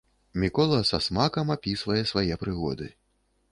Мікола са смакам апісвае свае прыгоды.